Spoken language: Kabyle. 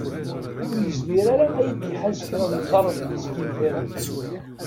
Ur yezmir ara ad iyi-d-iḥaz kra n ḍḍer seg yemdanen.